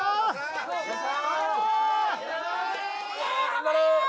頑張れ！